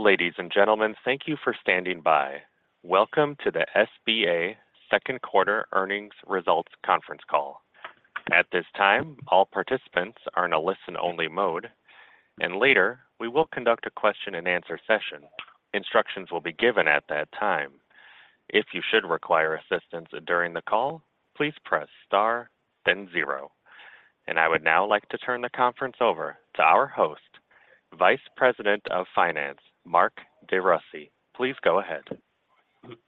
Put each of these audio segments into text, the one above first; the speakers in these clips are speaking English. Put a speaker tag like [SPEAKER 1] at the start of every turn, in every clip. [SPEAKER 1] Ladies and gentlemen, thank you for standing by. Welcome to the SBA Second Quarter Earnings Results Conference Call. At this time, all participants are in a listen-only mode, and later, we will conduct a question-and-answer session. Instructions will be given at that time. If you should require assistance during the call, please press star then zero. I would now like to turn the conference over to our host, Vice President of Finance, Mark DeRussy. Please go ahead.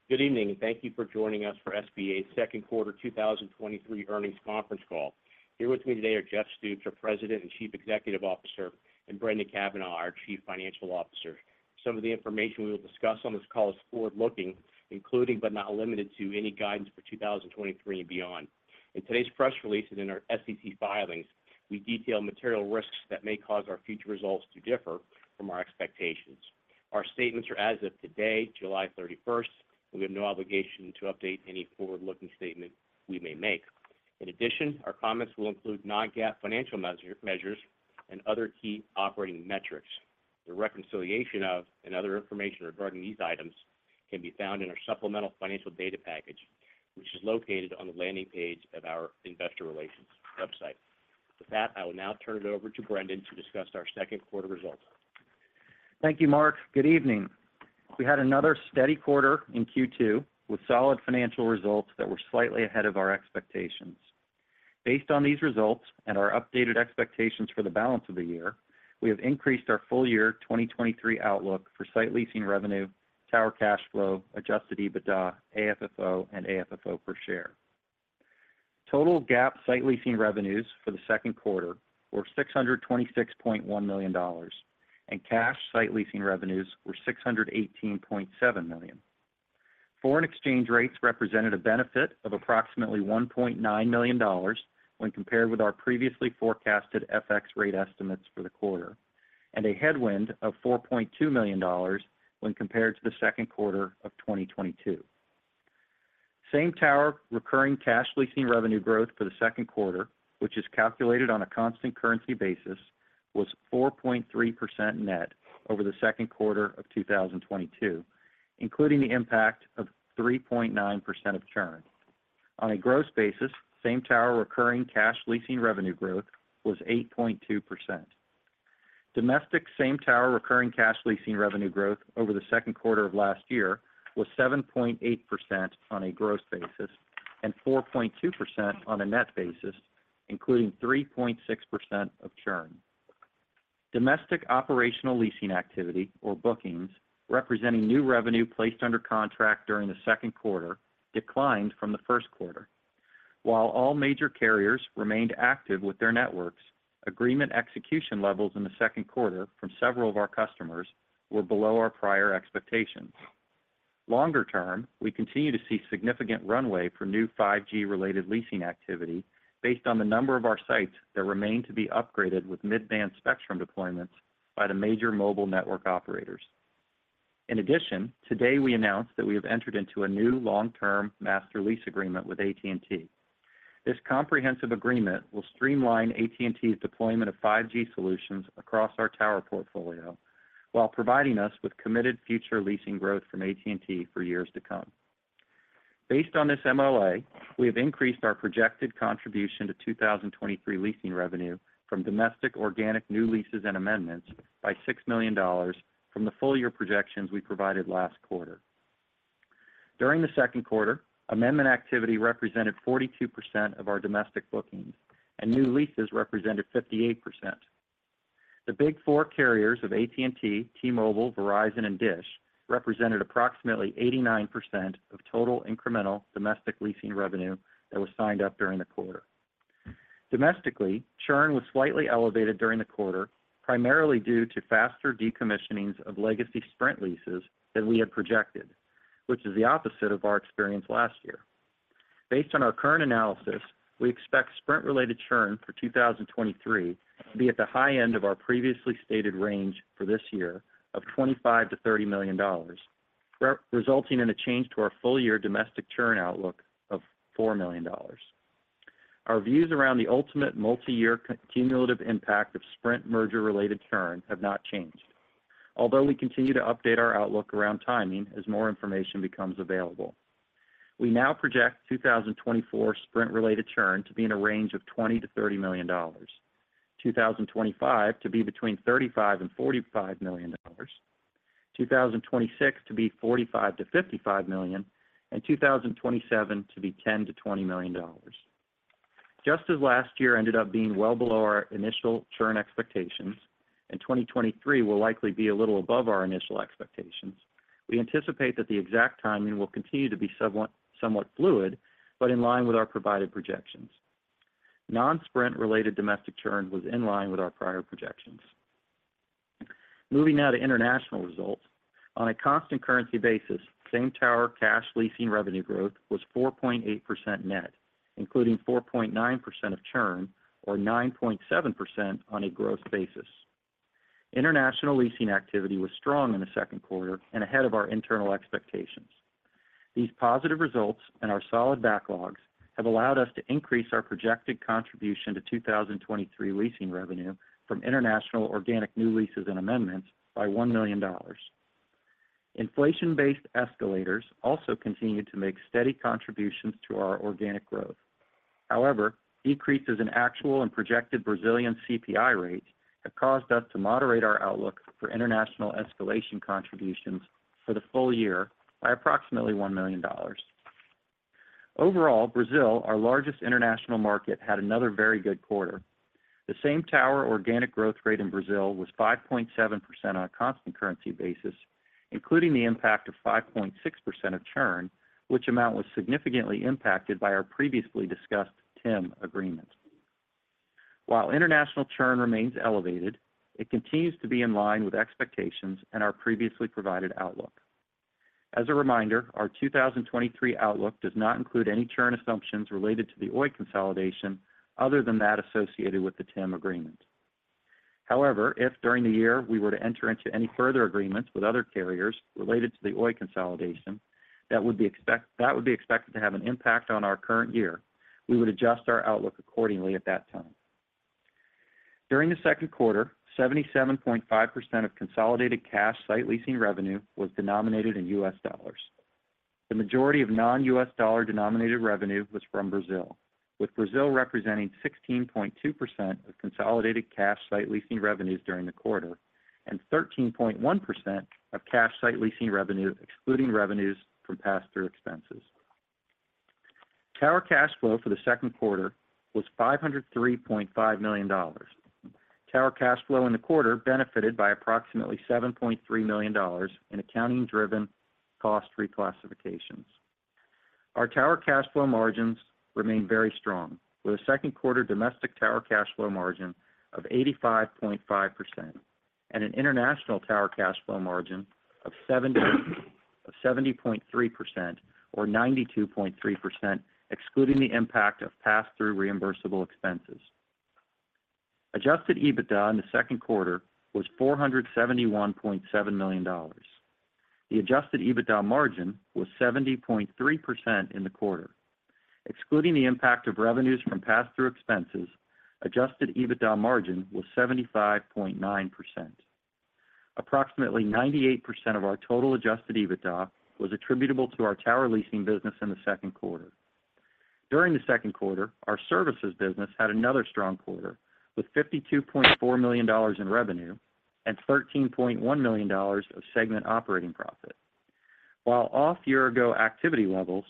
[SPEAKER 2] Good evening, and thank you for joining us for SBA's Second Quarter 2023 Earnings Conference Call. Here with me today are Jeff Stoops, our President and Chief Executive Officer, and Brendan Cavanagh, our Chief Financial Officer. Some of the information we will discuss on this call is forward-looking, including, but not limited to, any guidance for 2023 and beyond. In today's press release and in our SEC filings, we detail material risks that may cause our future results to differ from our expectations. Our statements are as of today, July 31st. We have no obligation to update any forward-looking statement we may make. In addition, our comments will include non-GAAP financial measures and other key operating metrics. The reconciliation of and other information regarding these items can be found in our supplemental financial data package, which is located on the landing page of our Investor Relations website. With that, I will now turn it over to Brendan to discuss our second quarter results.
[SPEAKER 3] Thank you, Mark. Good evening. We had another steady quarter in Q2 with solid financial results that were slightly ahead of our expectations. Based on these results and our updated expectations for the balance of the year, we have increased our full year 2023 outlook for site leasing revenue, tower cash flow, adjusted EBITDA, AFFO, and AFFO per share. Total GAAP site leasing revenues for the second quarter were $626.1 million, and cash site leasing revenues were $618.7 million. Foreign exchange rates represented a benefit of approximately $1.9 million when compared with our previously forecasted FX rate estimates for the quarter, and a headwind of $4.2 million when compared to the second quarter of 2022. Same tower recurring cash leasing revenue growth for the second quarter, which is calculated on a constant currency basis, was 4.3% net over the second quarter of 2022, including the impact of 3.9% of churn. On a gross basis, same tower recurring cash leasing revenue growth was 8.2%. Domestic same tower recurring cash leasing revenue growth over the second quarter of last year was 7.8% on a gross basis and 4.2% on a net basis, including 3.6% of churn. Domestic operational leasing activity, or bookings, representing new revenue placed under contract during the second quarter, declined from the first quarter. While all major carriers remained active with their networks, agreement execution levels in the second quarter from several of our customers were below our prior expectations. Longer term, we continue to see significant runway for new 5G-related leasing activity based on the number of our sites that remain to be upgraded with mid-band spectrum deployments by the major mobile network operators. Today we announced that we have entered into a new long-term master lease agreement with AT&T. This comprehensive agreement will streamline AT&T's deployment of 5G solutions across our tower portfolio, while providing us with committed future leasing growth from AT&T for years to come. Based on this MOA, we have increased our projected contribution to 2023 leasing revenue from domestic organic new leases and amendments by $6 million from the full year projections we provided last quarter. During the second quarter, amendment activity represented 42% of our domestic bookings, and new leases represented 58%. The Big 4 carriers of AT&T, T-Mobile, Verizon, and DISH represented approximately 89% of total incremental domestic leasing revenue that was signed up during the quarter. Domestically, churn was slightly elevated during the quarter, primarily due to faster decommissioning of legacy Sprint leases than we had projected, which is the opposite of our experience last year. Based on our current analysis, we expect Sprint-related churn for 2023 to be at the high end of our previously stated range for this year of $25 million-$30 million, resulting in a change to our full-year domestic churn outlook of $4 million. Our views around the ultimate multi-year cumulative impact of Sprint merger-related churn have not changed, although we continue to update our outlook around timing as more information becomes available. We now project 2024 Sprint-related churn to be in a range of $20 million-$30 million, 2025 to be between $35 million and $45 million, 2026 to be $45 million-$55 million, and 2027 to be $10 million-$20 million. Just as last year ended up being well below our initial churn expectations, and 2023 will likely be a little above our initial expectations, we anticipate that the exact timing will continue to be somewhat, somewhat fluid, but in line with our provided projections. Non-Sprint related domestic churn was in line with our prior projections. Moving now to international results. On a constant currency basis, same tower cash leasing revenue growth was 4.8% net, including 4.9% of churn, or 9.7% on a gross basis. International leasing activity was strong in the second quarter and ahead of our internal expectations. These positive results and our solid backlogs have allowed us to increase our projected contribution to 2023 leasing revenue from international organic new leases and amendments by $1 million. Inflation-based escalators continued to make steady contributions to our organic growth. Decreases in actual and projected Brazilian CPI rates have caused us to moderate our outlook for international escalation contributions for the full year by approximately $1 million. Overall, Brazil, our largest international market, had another very good quarter. The same tower organic growth rate in Brazil was 5.7% on a constant currency basis, including the impact of 5.6% of churn, which amount was significantly impacted by our previously discussed TIM agreement. While international churn remains elevated, it continues to be in line with expectations and our previously provided outlook. As a reminder, our 2023 outlook does not include any churn assumptions related to the Oi consolidation other than that associated with the TIM agreement. However, if during the year, we were to enter into any further agreements with other carriers related to the Oi consolidation, that would be expected to have an impact on our current year, we would adjust our outlook accordingly at that time. During the second quarter, 77.5% of consolidated cash site leasing revenue was denominated in U.S. dollars. The majority of non-U.S. dollar-denominated revenue was from Brazil, with Brazil representing 16.2% of consolidated cash site leasing revenues during the quarter, and 13.1% of cash site leasing revenue, excluding revenues from pass-through expenses. Tower cash flow for the second quarter was $503.5 million. Tower cash flow in the quarter benefited by approximately $7.3 million in accounting-driven cost reclassifications. Our tower cash flow margins remain very strong, with a second quarter domestic tower cash flow margin of 85.5% and an international tower cash flow margin of 70.3% or 92.3%, excluding the impact of pass-through reimbursable expenses. Adjusted EBITDA in the second quarter was $471.7 million. The adjusted EBITDA margin was 70.3% in the quarter. Excluding the impact of revenues from pass-through expenses, adjusted EBITDA margin was 75.9%. Approximately 98% of our total adjusted EBITDA was attributable to our tower leasing business in the second quarter. During the second quarter, our services business had another strong quarter, with $52.4 million in revenue and $13.1 million of segment operating profit. While off year-ago activity levels,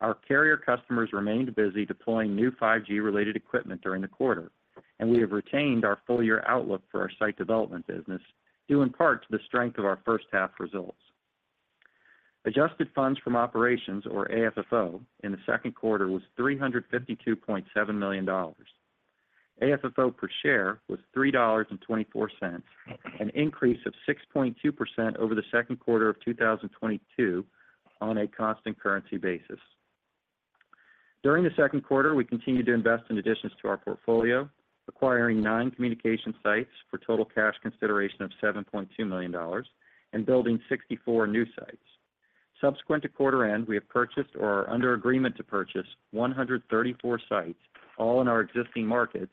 [SPEAKER 3] our carrier customers remained busy deploying new 5G-related equipment during the quarter. We have retained our full-year outlook for our site development business, due in part to the strength of our first half results. Adjusted funds from operations, or AFFO, in the second quarter was $352.7 million. AFFO per share was $3.24, an increase of 6.2% over the second quarter of 2022 on a constant currency basis. During the second quarter, we continued to invest in additions to our portfolio, acquiring nine communication sites for total cash consideration of $7.2 million and building 64 new sites. Subsequent to quarter-end, we have purchased or are under agreement to purchase 134 sites, all in our existing markets,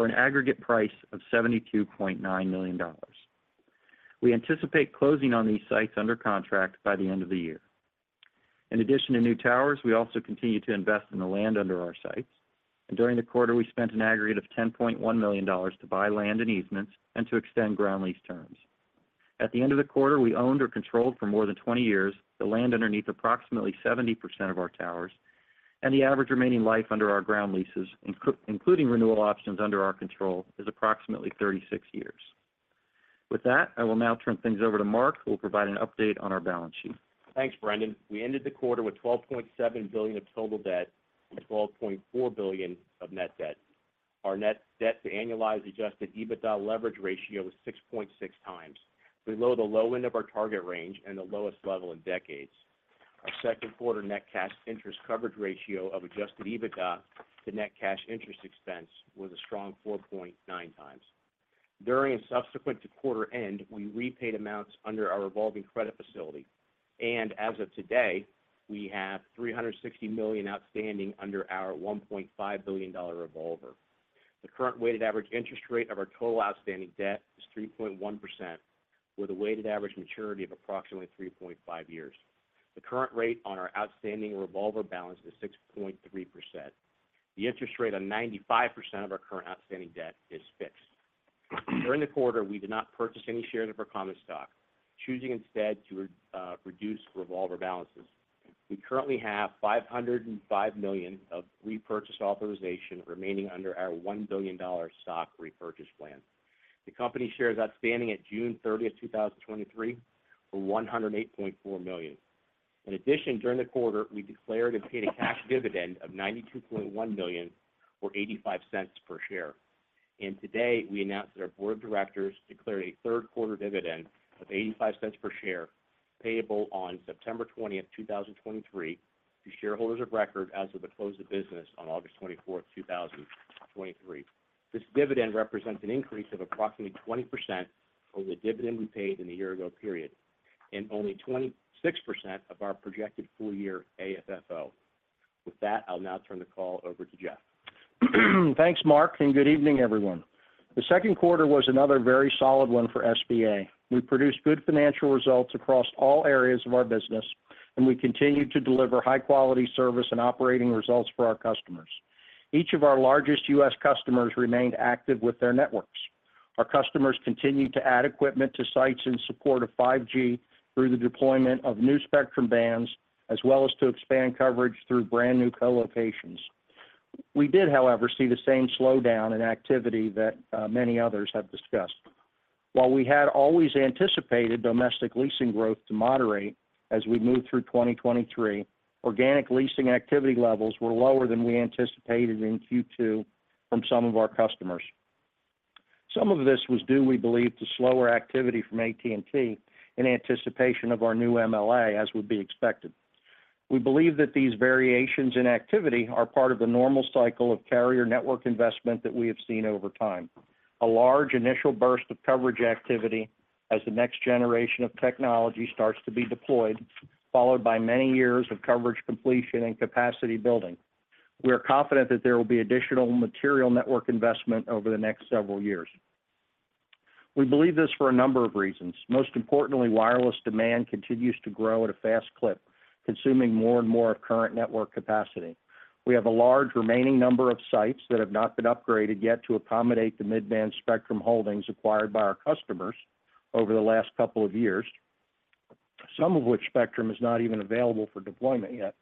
[SPEAKER 3] for an aggregate price of $72.9 million. We anticipate closing on these sites under contract by the end of the year. In addition to new towers, we also continue to invest in the land under our sites, and during the quarter, we spent an aggregate of $10.1 million to buy land and easements and to extend ground lease terms. At the end of the quarter, we owned or controlled for more than 20 years, the land underneath approximately 70% of our towers, and the average remaining life under our ground leases, including renewal options under our control, is approximately 36 years. With that, I will now turn things over to Mark, who will provide an update on our balance sheet.
[SPEAKER 2] Thanks, Brendan. We ended the quarter with $12.7 billion of total debt and $12.4 billion of net debt. Our net debt to annualized adjusted EBITDA leverage ratio was 6.6x, below the low end of our target range and the lowest level in decades. Our second quarter net cash interest coverage ratio of adjusted EBITDA to net cash interest expense was a strong 4.9x. During and subsequent to quarter end, we repaid amounts under our revolving credit facility, and as of today, we have $360 million outstanding under our $1.5 billion revolver. The current weighted average interest rate of our total outstanding debt is 3.1%, with a weighted average maturity of approximately 3.5 years. The current rate on our outstanding revolver balance is 6.3%. The interest rate on 95% of our current outstanding debt is fixed. During the quarter, we did not purchase any shares of our common stock, choosing instead to reduce revolver balances. We currently have $505 million of repurchased authorization remaining under our $1 billion stock repurchase plan. The company shares outstanding at June 30th, 2023, for 108.4 million. In addition, during the quarter, we declared and paid a cash dividend of $92.1 million or $0.85 per share. Today, we announced that our Board of Directors declared a third quarter dividend of $0.85 per share, payable on September 20th, 2023, to shareholders of record as of the close of business on August 24, 2023. This dividend represents an increase of approximately 20% over the dividend we paid in the year ago period, and only 26% of our projected full year AFFO. With that, I'll now turn the call over to Jeff.
[SPEAKER 4] Thanks, Mark. Good evening, everyone. The second quarter was another very solid one for SBA. We produced good financial results across all areas of our business. We continued to deliver high-quality service and operating results for our customers. Each of our largest U.S. customers remained active with their networks. Our customers continued to add equipment to sites in support of 5G through the deployment of new spectrum bands, as well as to expand coverage through brand new co-locations. We did, however, see the same slowdown in activity that many others have discussed. While we had always anticipated domestic leasing growth to moderate as we move through 2023, organic leasing activity levels were lower than we anticipated in Q2 from some of our customers. Some of this was due, we believe, to slower activity from AT&T in anticipation of our new MLA, as would be expected. We believe that these variations in activity are part of the normal cycle of carrier network investment that we have seen over time. A large initial burst of coverage activity as the next generation of technology starts to be deployed, followed by many years of coverage completion and capacity building. We are confident that there will be additional material network investment over the next several years. We believe this for a number of reasons. Most importantly, wireless demand continues to grow at a fast clip, consuming more and more of current network capacity. We have a large remaining number of sites that have not been upgraded yet to accommodate the mid-band spectrum holdings acquired by our customers over the last couple of years, some of which spectrum is not even available for deployment yet.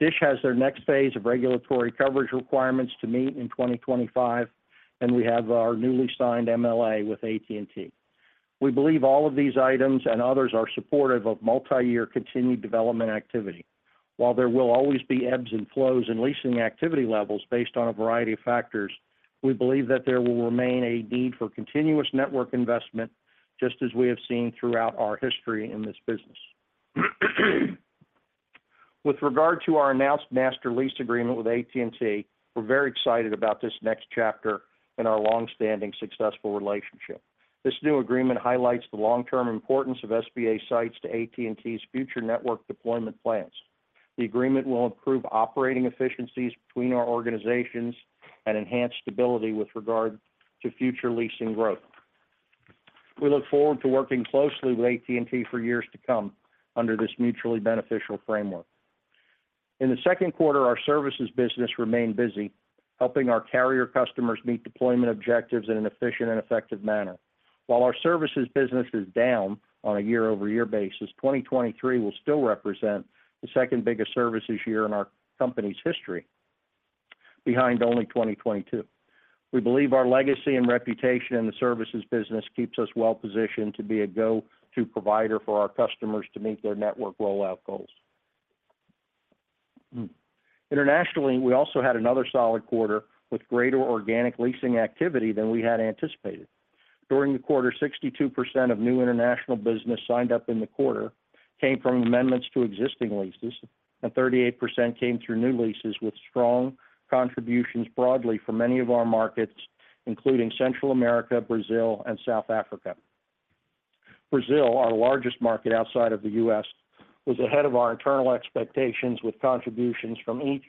[SPEAKER 4] DISH has their next phase of regulatory coverage requirements to meet in 2025. We have our newly signed MLA with AT&T. We believe all of these items and others are supportive of multi-year continued development activity. While there will always be ebbs and flows in leasing activity levels based on a variety of factors, we believe that there will remain a need for continuous network investment, just as we have seen throughout our history in this business. With regard to our announced master lease agreement with AT&T, we're very excited about this next chapter in our long-standing, successful relationship. This new agreement highlights the long-term importance of SBA sites to AT&T's future network deployment plans. The agreement will improve operating efficiencies between our organizations and enhance stability with regard to future leasing growth. We look forward to working closely with AT&T for years to come under this mutually beneficial framework. In the second quarter, our services business remained busy, helping our carrier customers meet deployment objectives in an efficient and effective manner. While our services business is down on a year-over-year basis, 2023 will still represent the second biggest services year in our company's history, behind only 2022. We believe our legacy and reputation in the services business keeps us well-positioned to be a go-to provider for our customers to meet their network rollout goals. Internationally, we also had another solid quarter with greater organic leasing activity than we had anticipated. During the quarter, 62% of new international business signed up in the quarter came from amendments to existing leases, and 38% came through new leases with strong contributions broadly from many of our markets, including Central America, Brazil, and South Africa. Brazil, our largest market outside of the U.S., was ahead of our internal expectations with contributions from each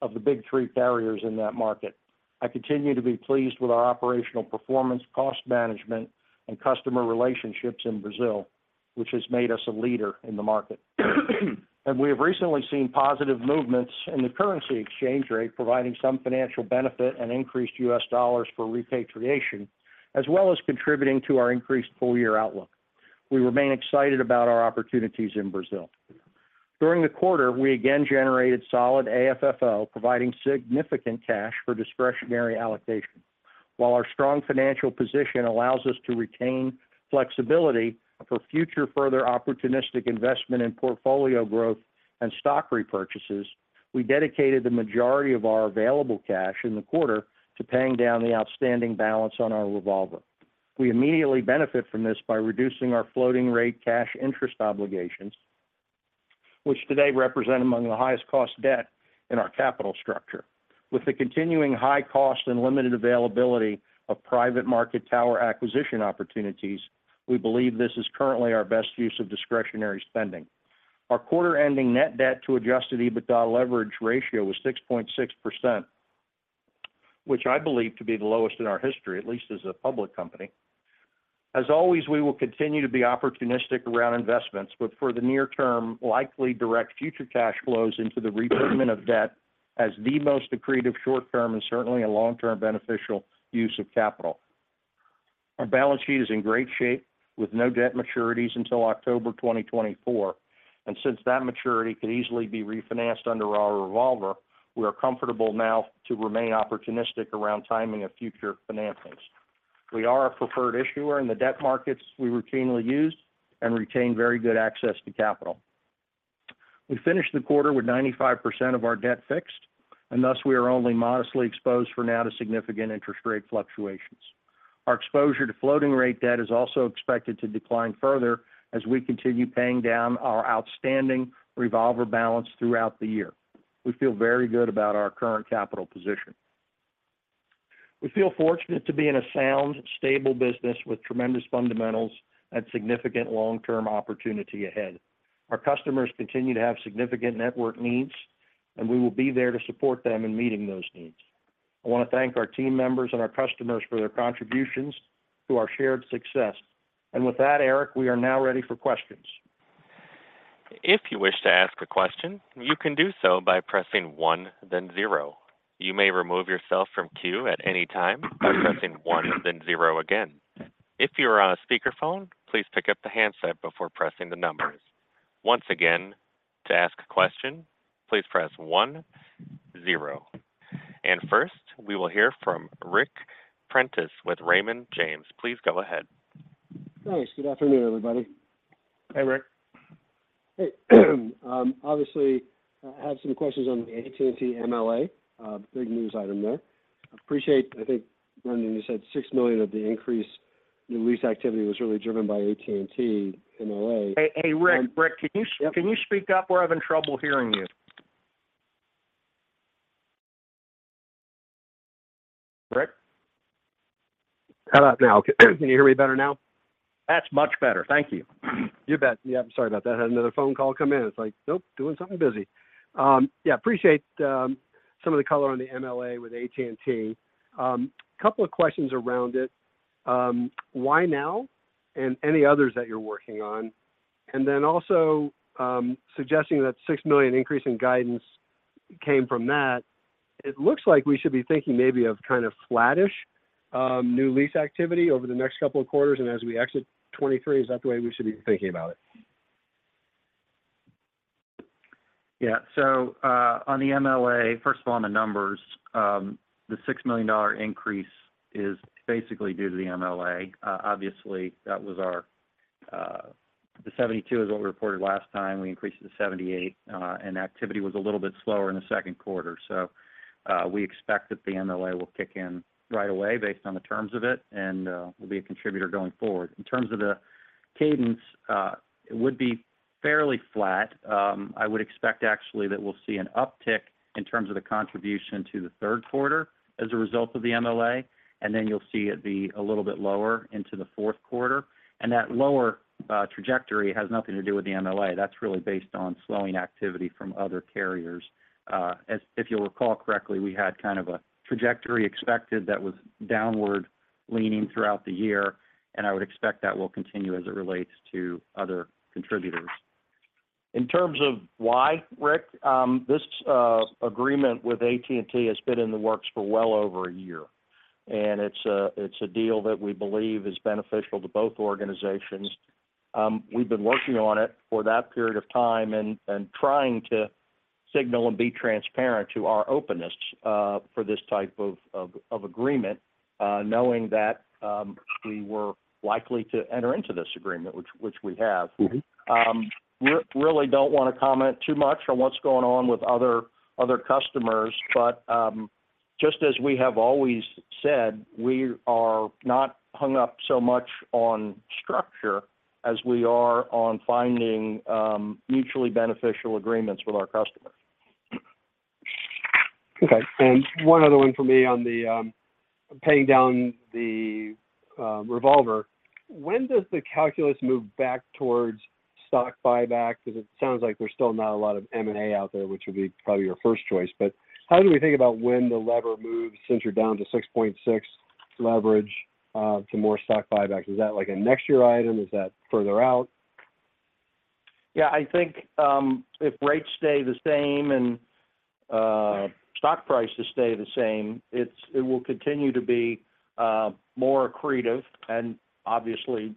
[SPEAKER 4] of the big three carriers in that market. I continue to be pleased with our operational performance, cost management, and customer relationships in Brazil, which has made us a leader in the market. We have recently seen positive movements in the currency exchange rate, providing some financial benefit and increased U.S. dollars for repatriation, as well as contributing to our increased full-year outlook. We remain excited about our opportunities in Brazil. During the quarter, we again generated solid AFFO, providing significant cash for discretionary allocation. While our strong financial position allows us to retain flexibility for future further opportunistic investment in portfolio growth and stock repurchases, we dedicated the majority of our available cash in the quarter to paying down the outstanding balance on our revolver. We immediately benefit from this by reducing our floating rate cash interest obligations, which today represent among the highest cost debt in our capital structure. With the continuing high cost and limited availability of private market tower acquisition opportunities, we believe this is currently our best use of discretionary spending. Our quarter-ending net debt to adjusted EBITDA leverage ratio was 6.6%, which I believe to be the lowest in our history, at least as a public company. As always, we will continue to be opportunistic around investments, but for the near term, likely direct future cash flows into the repayment of debt as the most accretive short term and certainly a long-term beneficial use of capital. Our balance sheet is in great shape with no debt maturities until October 2024, and since that maturity could easily be refinanced under our revolver, we are comfortable now to remain opportunistic around timing of future financings. We are a preferred issuer in the debt markets we routinely use and retain very good access to capital. We finished the quarter with 95% of our debt fixed, and thus, we are only modestly exposed for now to significant interest rate fluctuations. Our exposure to floating rate debt is also expected to decline further as we continue paying down our outstanding revolver balance throughout the year. We feel very good about our current capital position. We feel fortunate to be in a sound, stable business with tremendous fundamentals and significant long-term opportunity ahead. Our customers continue to have significant network needs. We will be there to support them in meeting those needs. I want to thank our team members and our customers for their contributions to our shared success. With that, Eric, we are now ready for questions.
[SPEAKER 1] If you wish to ask a question, you can do so by pressing one, then zero. You may remove yourself from queue at any time by pressing one, then zero again. If you are on a speakerphone, please pick up the handset before pressing the numbers. Once again, to ask a question, please press one, zero. First, we will hear from Ric Prentiss with Raymond James. Please go ahead.
[SPEAKER 5] Thanks. Good afternoon, everybody.
[SPEAKER 4] Hi, Ric.
[SPEAKER 5] Hey, obviously, I have some questions on the AT&T MLA. Big news item there. Appreciate, I think, when you said $6 million of the increase in lease activity was really driven by AT&T MLA.
[SPEAKER 4] Hey, hey, Ric. Ric, can you?
[SPEAKER 5] Yep.
[SPEAKER 4] Can you speak up, we're having trouble hearing you? Ric?
[SPEAKER 5] How about now? Can you hear me better now?
[SPEAKER 4] That's much better. Thank you.
[SPEAKER 5] You bet. Yeah, I'm sorry about that. I had another phone call come in. It's like, nope, doing something busy. Yeah, appreciate some of the color on the MLA with AT&T. Couple of questions around it. Why now? Any others that you're working on? Also, suggesting that $6 million increase in guidance came from that, it looks like we should be thinking maybe of kind of flattish new lease activity over the next couple of quarters and as we exit 2023. Is that the way we should be thinking about it?
[SPEAKER 3] Yeah. On the MLA, first of all, on the numbers, the $6 million increase is basically due to the MLA. Obviously, that was our, the $72 million is what we reported last time. We increased it to $78 million, and activity was a little bit slower in the second quarter. We expect that the MLA will kick in right away based on the terms of it, and will be a contributor going forward. In terms of the cadence, it would be fairly flat. I would expect actually that we'll see an uptick in terms of the contribution to the third quarter as a result of the MLA, and then you'll see it be a little bit lower into the fourth quarter. That lower trajectory has nothing to do with the MLA. That's really based on slowing activity from other carriers. If you'll recall correctly, we had kind of a trajectory expected that was downward leaning throughout the year, and I would expect that will continue as it relates to other contributors.
[SPEAKER 4] In terms of why, Ric, this agreement with AT&T has been in the works for well over a year, and it's a, it's a deal that we believe is beneficial to both organizations. We've been working on it for that period of time and, and trying to signal and be transparent to our openness, for this type of agreement, knowing that, we were likely to enter into this agreement, which, which we have.
[SPEAKER 5] Mm-hmm.
[SPEAKER 4] We really don't want to comment too much on what's going on with other, other customers. Just as we have always said, we are not hung up so much on structure as we are on finding, mutually beneficial agreements with our customers.
[SPEAKER 5] Okay. One other one for me on the paying down the revolver. When does the calculus move back towards stock buyback? Because it sounds like there's still not a lot of M&A out there, which would be probably your first choice. How do we think about when the lever moves, since you're down to 6.6 leverage, to more stock buyback? Is that like a next year item? Is that further out?
[SPEAKER 4] Yeah, I think, if rates stay the same and stock prices stay the same, it will continue to be more accretive and obviously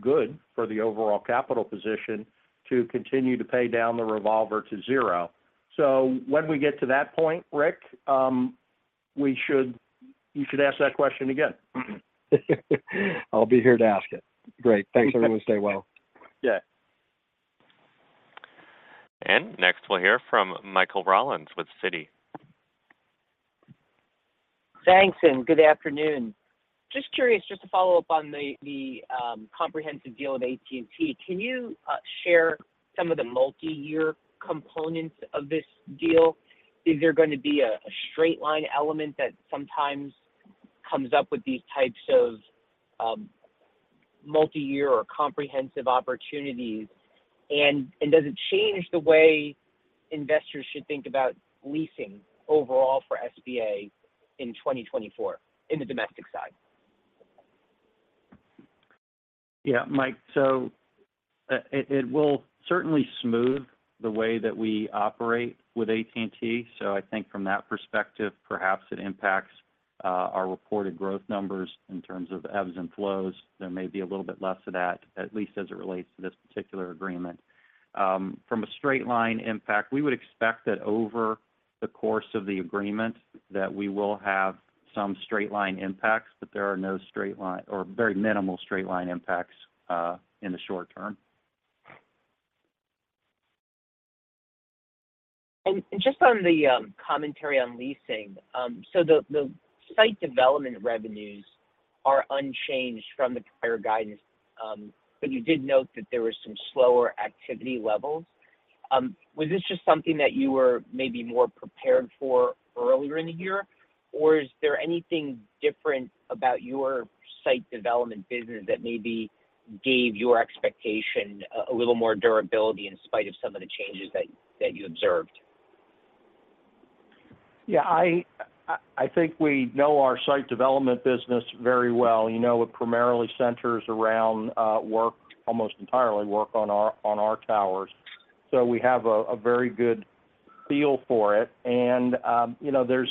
[SPEAKER 4] good for the overall capital position to continue to pay down the revolver to zero. When we get to that point, Ric, you should ask that question again.
[SPEAKER 5] I'll be here to ask it. Great.
[SPEAKER 4] Okay.
[SPEAKER 5] Thanks, everyone. Stay well.
[SPEAKER 4] Yeah.
[SPEAKER 1] Next, we'll hear from Michael Rollins with Citi.
[SPEAKER 6] Thanks, and good afternoon. Just curious, just to follow up on the comprehensive deal with AT&T, can you share some of the multiyear components of this deal? Is there gonna be a straight-line element that sometimes comes up with these types of, multiyear or comprehensive opportunities? Does it change the way investors should think about leasing overall for SBA in 2024 in the domestic side?
[SPEAKER 3] Yeah, Mike, it will certainly smooth the way that we operate with AT&T. I think from that perspective, perhaps it impacts our reported growth numbers in terms of ebbs and flows. There may be a little bit less of that, at least as it relates to this particular agreement. From a straight line impact, we would expect that over the course of the agreement, that we will have some straight line impacts, but there are no straight line or very minimal straight line impacts in the short term.
[SPEAKER 6] Just on the commentary on leasing, the site development revenues are unchanged from the prior guidance. You did note that there was some slower activity levels. Was this just something that you were maybe more prepared for earlier in the year? Is there anything different about your site development business that maybe gave your expectation a little more durability in spite of some of the changes that you observed?
[SPEAKER 4] Yeah, I think we know our site development business very well. You know, it primarily centers around work, almost entirely work on our, on our towers. We have a very good feel for it. You know, there's,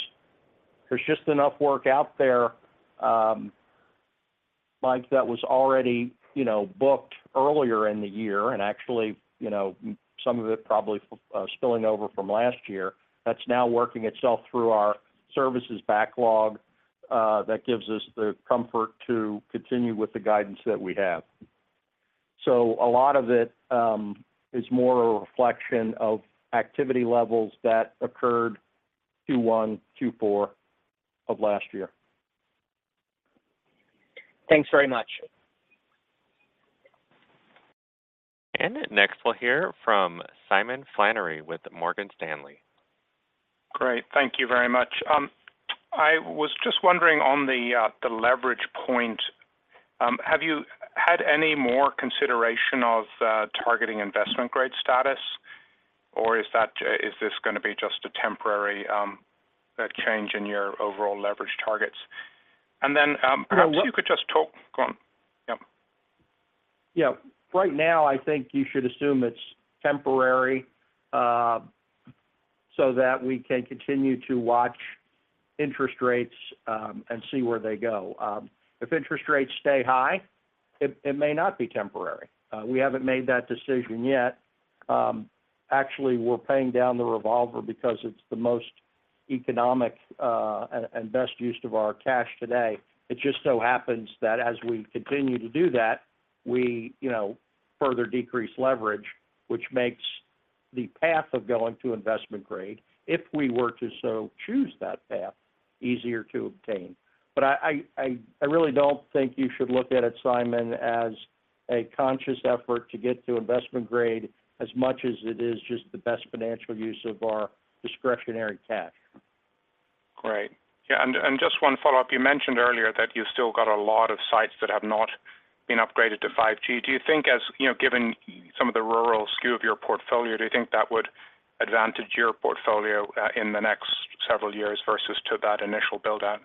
[SPEAKER 4] there's just enough work out there, Mike, that was already, you know, booked earlier in the year and actually, you know, some of it probably spilling over from last year, that's now working itself through our services backlog, that gives us the comfort to continue with the guidance that we have. So, a lot of it is more a reflection of activity levels that occurred Q1, Q4 of last year.
[SPEAKER 6] Thanks very much.
[SPEAKER 1] Next, we'll hear from Simon Flannery with Morgan Stanley.
[SPEAKER 7] Great. Thank you very much. I was just wondering on the, the leverage point, have you had any more consideration of targeting investment grade status? Or is that, is this gonna be just a temporary, change in your overall leverage targets? And then, perhaps you could just talk.
[SPEAKER 4] Well.
[SPEAKER 7] Go on. Yep.
[SPEAKER 4] Yeah. Right now, I think you should assume it's temporary, so that we can continue to watch interest rates, and see where they go. If interest rates stay high, it, it may not be temporary. We haven't made that decision yet. Actually, we're paying down the revolver because it's the most economic and best use of our cash today. It just so happens that as we continue to do that, we, you know, further decrease leverage, which makes the path of going to investment grade, if we were to so choose that path, easier to obtain. I really don't think you should look at it, Simon, as a conscious effort to get to investment grade, as much as it is just the best financial use of our discretionary cash.
[SPEAKER 7] Great. Yeah, and, and just one follow-up, you mentioned earlier that you've still got a lot of sites that have not been upgraded to 5G. Do you think as, you know, given some of the rural portfolio of your portfolio, do you think that would advantage your portfolio, in the next several years versus to that initial build-out?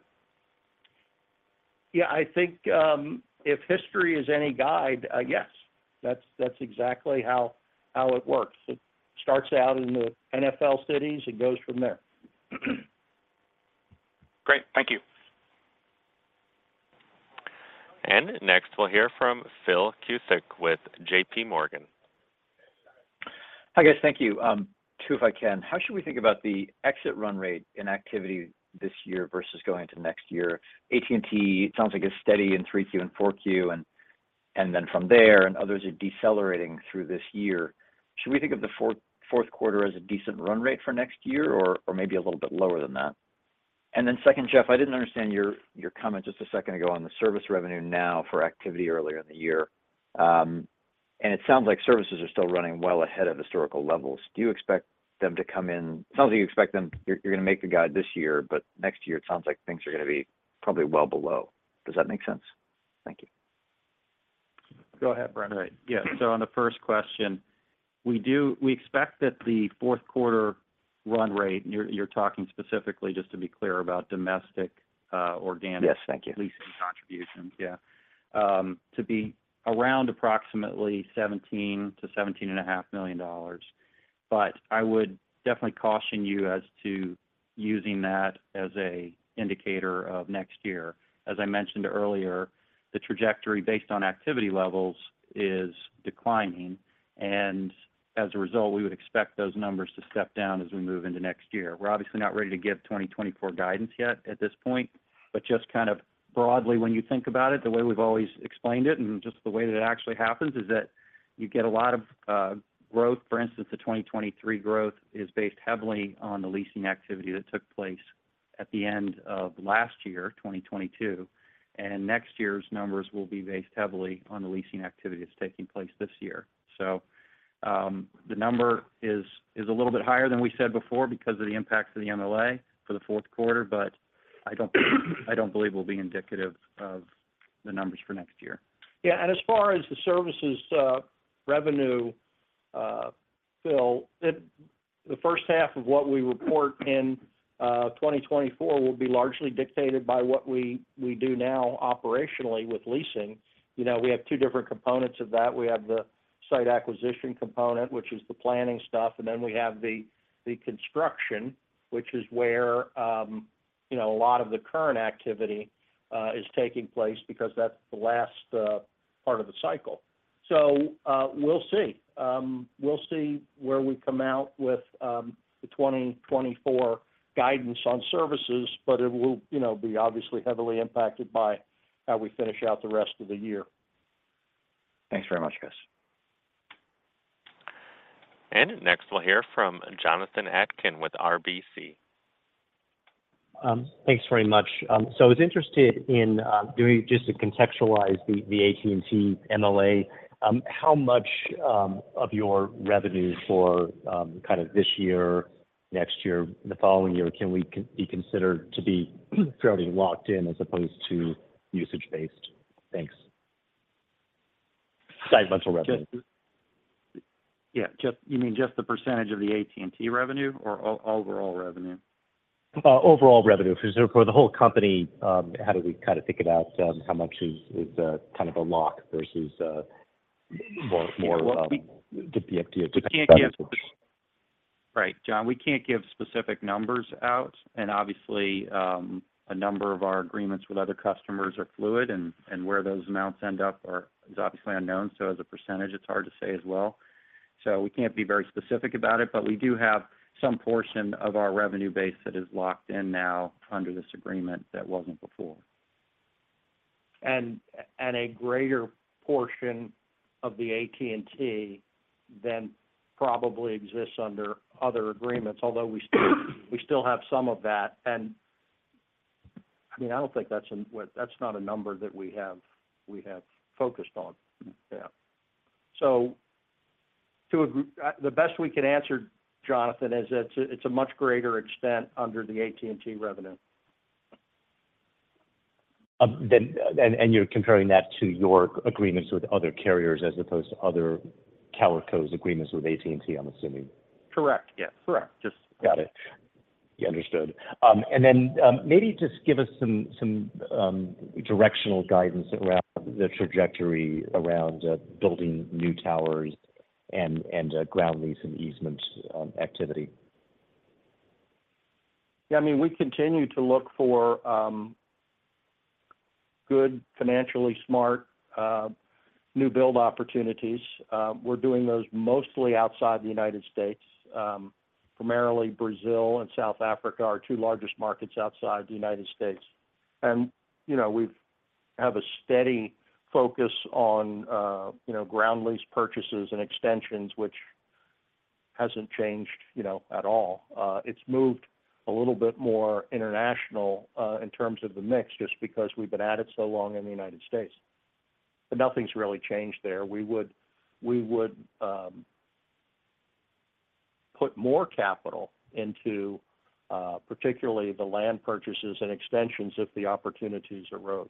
[SPEAKER 4] Yeah, I think, if history is any guide, yes, that's, that's exactly how, how it works. It starts out in the NFL cities and goes from there.
[SPEAKER 7] Great, thank you.
[SPEAKER 1] Next, we'll hear from Phil Cusick with JPMorgan.
[SPEAKER 8] Hi, guys. Thank you. Two, if I can: How should we think about the exit run rate in activity this year versus going into next year? AT&T, it sounds like it's steady in 3Q and 4Q, and then from there, and others are decelerating through this year. Should we think of the fourth quarter as a decent run rate for next year or maybe a little bit lower than that? Second, Jeff, I didn't understand your comment just a second ago on the service revenue now for activity earlier in the year. It sounds like services are still running well ahead of historical levels. Do you expect them to come in, sounds like you expect them, you're gonna make the guide this year, but next year, it sounds like things are gonna be probably well below. Does that make sense? Thank you.
[SPEAKER 4] Go ahead, Brendan.
[SPEAKER 3] Right. Yeah, on the first question, We expect that the fourth quarter run rate, you're talking specifically, just to be clear, about domestic, organic.
[SPEAKER 8] Yes. Thank you.
[SPEAKER 3] Leasing contributions. Yeah, to be around approximately $17 million-$17.5 million. I would definitely caution you as to using that as an indicator of next year. As I mentioned earlier, the trajectory based on activity levels is declining, and as a result, we would expect those numbers to step down as we move into next year. We're obviously not ready to give 2024 guidance yet at this point, but just kind of broadly, when you think about it, the way we've always explained it, and just the way that it actually happens, is that you get a lot of growth. For instance, the 2023 growth is based heavily on the leasing activity that took place at the end of last year, 2022, and next year's numbers will be based heavily on the leasing activity that's taking place this year. The number is a little bit higher than we said before because of the impact of the MLA for the fourth quarter, but I don't believe will be indicative of the numbers for next year.
[SPEAKER 4] Yeah, as far as the services revenue, Phil, it, the first half of what we report in 2024 will be largely dictated by what we do now operationally with leasing. You know, we have two different components of that. We have the site acquisition component, which is the planning stuff, and then we have the construction, which is where, you know, a lot of the current activity is taking place because that's the last part of the cycle. We'll see. We'll see where we come out with the 2024 guidance on services, but it will, you know, be obviously heavily impacted by how we finish out the rest of the year.
[SPEAKER 8] Thanks very much, guys.
[SPEAKER 1] Next, we'll hear from Jonathan Atkin with RBC.
[SPEAKER 9] Thanks very much. I was interested in doing, just to contextualize the AT&T MLA, how much of your revenue for kind of this year, next year, the following year, can we be considered to be fairly locked in as opposed to usage-based? Thanks. Segmental revenue.
[SPEAKER 3] Just, yeah, just, you mean just the percentage of the AT&T revenue or overall revenue?
[SPEAKER 9] Overall revenue. For the whole company, how do we kind of think about how much is kind of a lock versus more.
[SPEAKER 3] We can't.
[SPEAKER 9] Revenue source.
[SPEAKER 3] Right, Jon, we can't give specific numbers out, and obviously, a number of our agreements with other customers are fluid, and where those amounts end up are, is obviously unknown. As a percentage, it's hard to say as well. We can't be very specific about it, but we do have some portion of our revenue base that is locked in now under this agreement that wasn't before.
[SPEAKER 4] A greater portion of the AT&T than probably exists under other agreements, although we still, we still have some of that. I mean, I don't think that's, that's not a number that we have, we have focused on.
[SPEAKER 3] Yeah.
[SPEAKER 4] So, the best we can answer, Jonathan, is it's a, it's a much greater extent under the AT&T revenue.
[SPEAKER 9] You're comparing that to your agreements with other carriers, as opposed to other tower co's agreements with AT&T, I'm assuming?
[SPEAKER 4] Correct.
[SPEAKER 3] Yeah, correct.
[SPEAKER 4] Just.
[SPEAKER 9] Got it. Yeah, understood. Maybe just give us some, some directional guidance around the trajectory around building new towers and ground lease and easement activity.
[SPEAKER 4] Yeah, I mean, we continue to look for good, financially smart, new build opportunities. We're doing those mostly outside the United States. Primarily, Brazil and South Africa are our two largest markets outside the United States. You know, we've have a steady focus on, you know, ground lease purchases and extensions, which hasn't changed, you know, at all. It's moved a little bit more international, in terms of the mix, just because we've been at it so long in the United States. Nothing's really changed there. We would, we would put more capital into particularly the land purchases and extensions if the opportunities arose.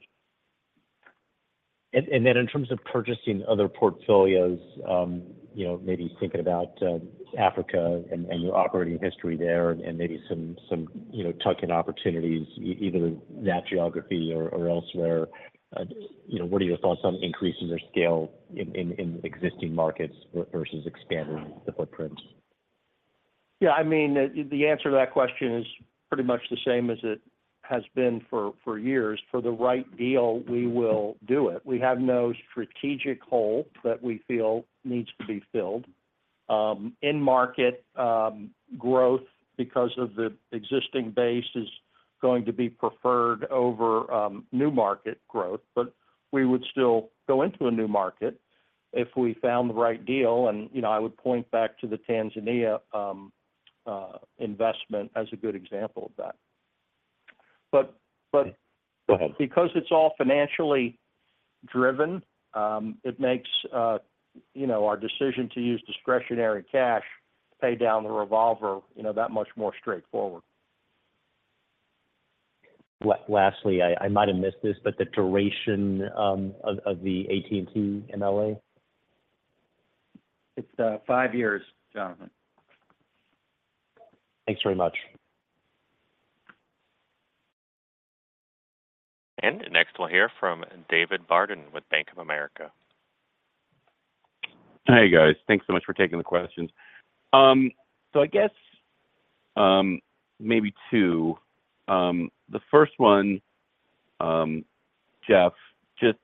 [SPEAKER 9] In terms of purchasing other portfolios, you know, maybe thinking about Africa and, and your operating history there and, and maybe some, some, you know, tuck-in opportunities, either in that geography or, or elsewhere. You know, what are your thoughts on increasing their scale in, in, in existing markets versus expanding the footprint?
[SPEAKER 4] Yeah, I mean, the answer to that question is pretty much the same as it has been for years. For the right deal, we will do it. We have no strategic hole that we feel needs to be filled. In market growth, because of the existing base, is going to be preferred over new market growth. We would still go into a new market if we found the right deal. You know, I would point back to the Tanzania investment as a good example of that.
[SPEAKER 9] Go ahead.
[SPEAKER 4] Because it's all financially driven, it makes, you know, our decision to use discretionary cash to pay down the revolver, you know, that much more straightforward.
[SPEAKER 9] Lastly, I, I might have missed this, but the duration of, of the AT&T MLA?
[SPEAKER 3] It's 5 years, Jonathan.
[SPEAKER 9] Thanks very much.
[SPEAKER 1] Next, we'll hear from David Barden with Bank of America.
[SPEAKER 10] Hey, guys. Thanks so much for taking the questions. I guess, maybe two. The first one, Jeff, just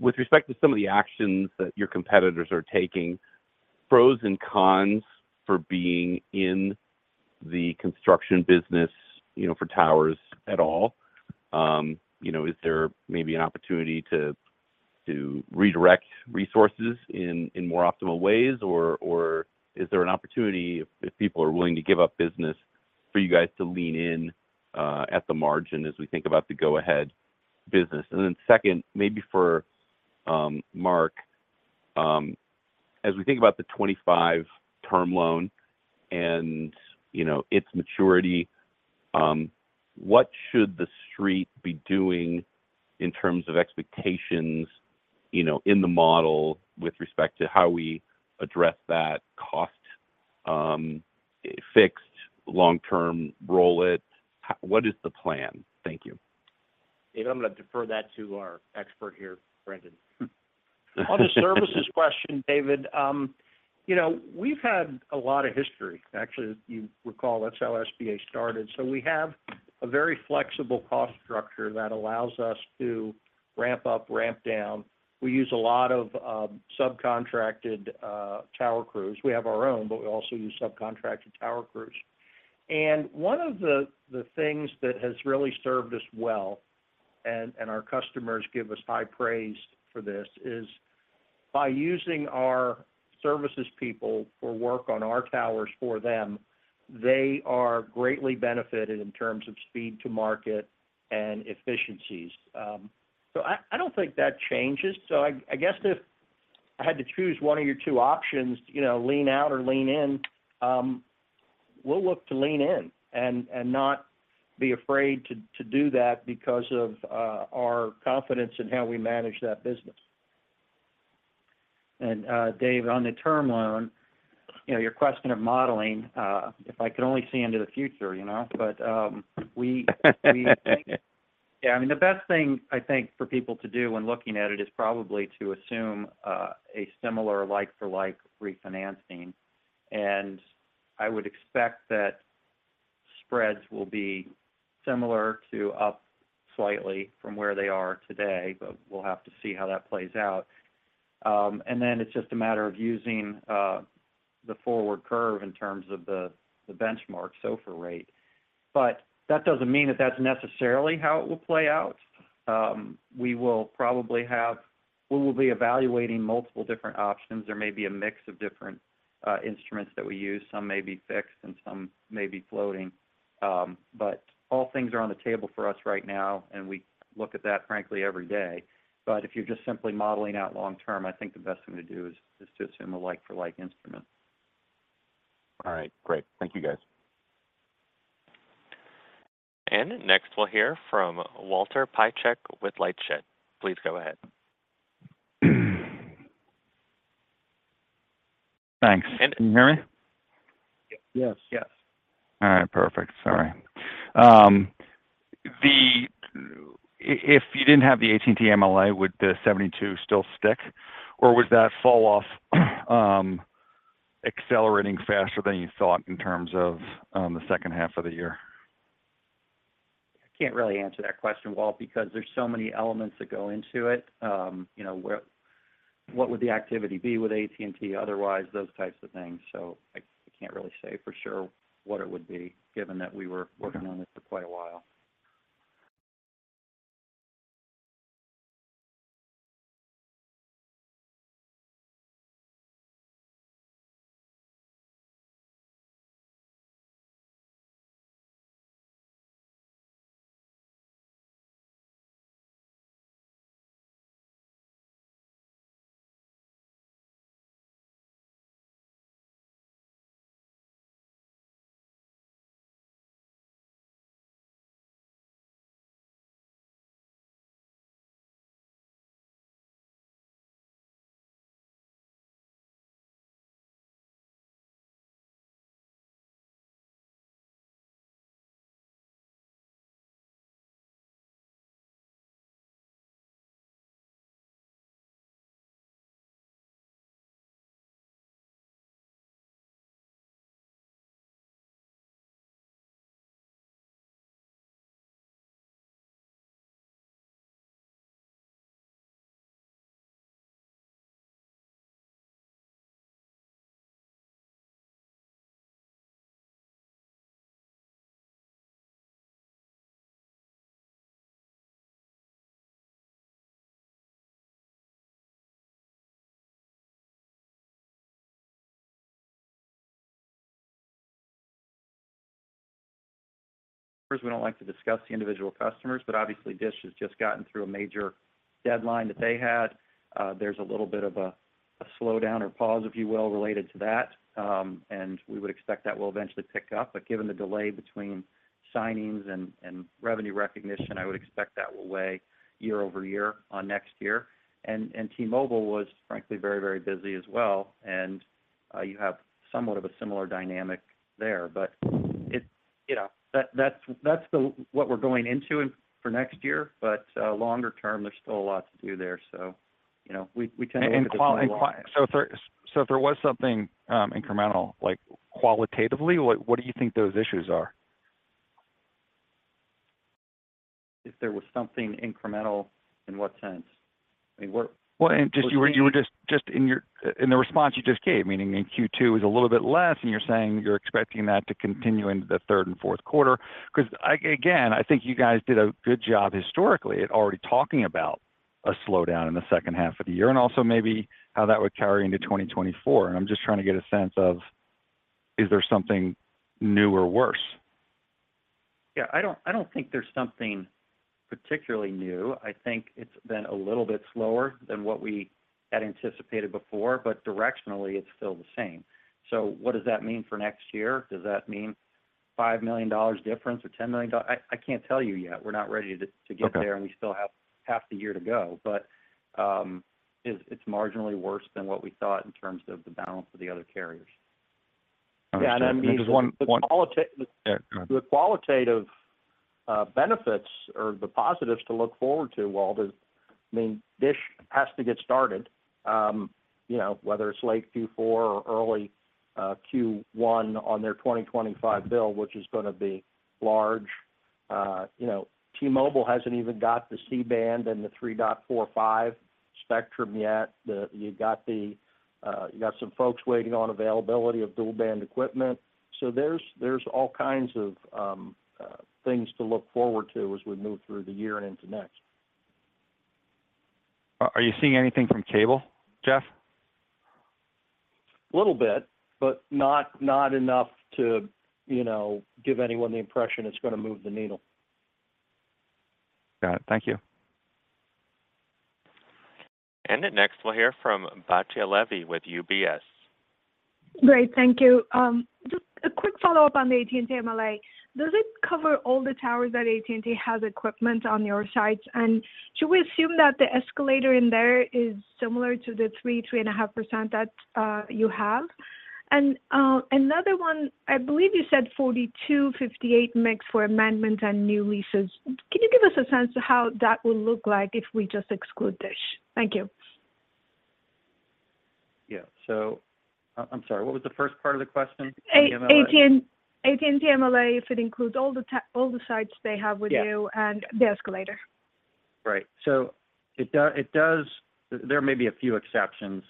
[SPEAKER 10] with respect to some of the actions that your competitors are taking, pros and cons for being in the construction business, you know, for towers at all. You know, is there maybe an opportunity to, to redirect resources in, in more optimal ways, or, or is there an opportunity, if, if people are willing to give up business, for you guys to lean in at the margin as we think about the go-ahead business? Second, maybe for Mark, as we think about the 25 term loan and, you know, its maturity, what should the street be doing in terms of expectations, you know, in the model with respect to how we address that cost, fixed, long-term, roll it? What is the plan? Thank you.
[SPEAKER 4] David, I'm gonna defer that to our expert here, Brendan.
[SPEAKER 3] On the services question, David, you know, we've had a lot of history. Actually, you recall, that's how SBA started. We have a very flexible cost structure that allows us to ramp up, ramp down. We use a lot of subcontracted tower crews. We have our own, but we also use subcontracted tower crews. One of the things that has really served us well, and our customers give us high praise for this, is by using our services people for work on our towers for them, they are greatly benefited in terms of speed to market and efficiencies. I, I don't think that changes. I, I guess if I had to choose one of your two options, you know, lean out or lean in, we'll look to lean in and not be afraid to do that because of our confidence in how we manage that business.
[SPEAKER 2] Dave, on the term loan, you know, your question of modeling, if I could only see into the future, you know? Yeah, I mean, the best thing I think for people to do when looking at it, is probably to assume a similar like-for-like refinancing. I would expect that spreads will be similar to up slightly from where they are today, but we'll have to see how that plays out. It's just a matter of using the forward curve in terms of the benchmark SOFR rate. That doesn't mean that that's necessarily how it will play out. We will probably be evaluating multiple different options. There may be a mix of different instruments that we use. Some may be fixed and some may be floating. All things are on the table for us right now, and we look at that, frankly, every day. If you're just simply modeling out long term, I think the best thing to do is, is to assume a like-for-like instrument.
[SPEAKER 10] All right, great. Thank you, guys.
[SPEAKER 1] Next, we'll hear from Walter Piecyk with LightShed. Please go ahead.
[SPEAKER 11] Thanks. Can you hear me?
[SPEAKER 3] Yes.
[SPEAKER 4] Yes.
[SPEAKER 11] All right, perfect. Sorry. If you didn't have the AT&T MLA, would the $72 million still stick, or would that fall off, accelerating faster than you thought in terms of the second half of the year?
[SPEAKER 3] I can't really answer that question, Walt, because there's so many elements that go into it. You know, what would the activity be with AT&T, otherwise, those types of things. I, I can't really say for sure what it would be, given that we were working on this for quite a while. Of course, we don't like to discuss the individual customers, but obviously, DISH has just gotten through a major deadline that they had. There's a little bit of a, a slowdown or pause, if you will, related to that. We would expect that will eventually pick up. Given the delay between signings and, and revenue recognition, I would expect that will weigh year-over-year on next year. And T-Mobile was frankly, very, very busy as well, and you have somewhat of a similar dynamic there. It's, you know, that's, that's the, what we're going into for next year, but longer term, there's still a lot to do there. You know.
[SPEAKER 11] If there, so if there was something incremental, like qualitatively, what, what do you think those issues are?
[SPEAKER 3] If there was something incremental, in what sense? I mean.
[SPEAKER 11] Well, just you were, you were just in your in the response you just gave, meaning in Q2 is a little bit less, and you're saying you're expecting that to continue into the third and fourth quarter. Again, I think you guys did a good job historically at already talking about a slowdown in the second half of the year, and also maybe how that would carry into 2024. I'm just trying to get a sense of, is there something new or worse?
[SPEAKER 3] Yeah, I don't think there's something particularly new. I think it's been a little bit slower than what we had anticipated before, but directionally, it's still the same. What does that mean for next year? Does that mean $5 million difference or $10 million? I can't tell you yet. We're not ready to get there.
[SPEAKER 11] Okay.
[SPEAKER 3] And we still have half the year to go. It's, it's marginally worse than what we thought in terms of the balance of the other carriers.
[SPEAKER 11] Okay, just one, one.
[SPEAKER 4] The qualitative.
[SPEAKER 11] Yeah, go ahead.
[SPEAKER 4] The qualitative benefits or the positives to look forward to, Walt, is, I mean, DISH has to get started, you know, whether it's late Q4 or early Q1 on their 2025 bill, which is gonna be large, you know, T-Mobile hasn't even got the C-band and the 3.45 spectrum yet. You've got the, you got some folks waiting on availability of dual-band equipment. There's, there's all kinds of things to look forward to as we move through the year and into next.
[SPEAKER 11] Are you seeing anything from cable, Jeff?
[SPEAKER 4] A little bit, but not, not enough to, you know, give anyone the impression it's gonna move the needle.
[SPEAKER 11] Got it. Thank you.
[SPEAKER 1] Then next, we'll hear from Batya Levi with UBS.
[SPEAKER 12] Great, thank you. Just a quick follow-up on the AT&T MLA. Does it cover all the towers that AT&T has equipment on your sites? Should we assume that the escalator in there is similar to the 3%-3.5% that you have? Another one, I believe you said 42/58 mix for amendments and new leases. Can you give us a sense to how that will look like if we just exclude DISH? Thank you.
[SPEAKER 3] Yeah. I'm sorry, what was the first part of the question, the MLA?
[SPEAKER 12] AT&T, AT&T MLA, if it includes all the all the sites they have with you.
[SPEAKER 3] Yeah.
[SPEAKER 12] And the escalator.
[SPEAKER 3] Right. It does. There may be a few exceptions